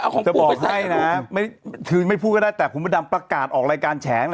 คือไม่พูดก็ได้แต่คุณประดำละประกาศออกรายการแชน